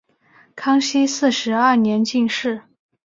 康熙四十二年进士。